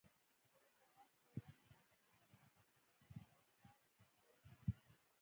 زړه د غم په ورځ مرستې ته دریږي.